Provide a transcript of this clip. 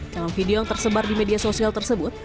dalam video yang tersebar di media sosial tersebut